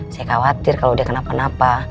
saya khawatir kalau udah kenapa napa